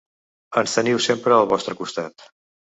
Ens teniu sempre al vostre costat.